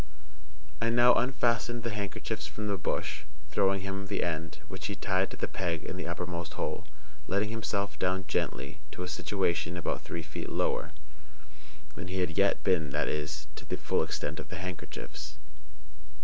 I now unfastened the handkerchiefs from the bush, throwing him the end, which he tied to the peg in the uppermost hole, letting himself down gently to a station about three feet lower than he had yet been that is, to the full extent of the handkerchiefs.